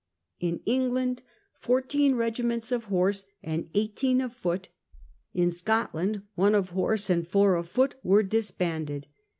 In England fourteen regiments of horse and eighteen of foot, in Scotland one of horse and four of foot, were disbanded.